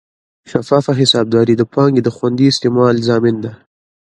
شفافه حسابداري د پانګې د خوندي استعمال ضامن ده.